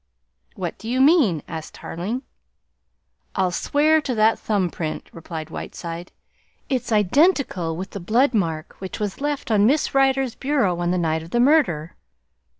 "What do you mean?" asked Tarling. "I'll swear to that thumb print," replied Whiteside. "It's identical with the blood mark which was left on Miss Rider's bureau on the night of the murder!"